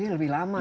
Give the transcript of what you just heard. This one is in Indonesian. lebih lama ya